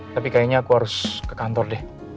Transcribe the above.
tapi kayaknya aku harus ke kantor deh